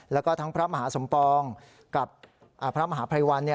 แล้วก็ทั้งพระมหาสมปองกับพระมหาภัยวัน